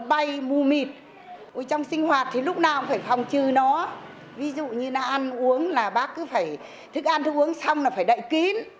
đây là những hình ảnh chúng tôi ghi lại trong căn bếp nước